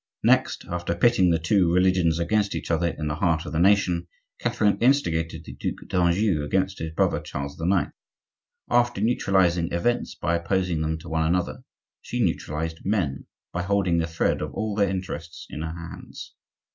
Next, after pitting the two religions against each other in the heart of the nation, Catherine instigated the Duc d'Anjou against his brother Charles IX. After neutralizing events by opposing them to one another, she neutralized men, by holding the thread of all their interests in her hands.